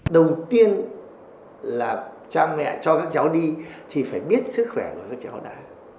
đầu tiên là cha mẹ cho các cháu đi thì phải biết sức khỏe của các cháu đã